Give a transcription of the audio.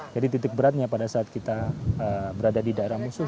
jadi titik beratnya pada saat kita berada di daerah musuh